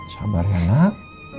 sabar ya nak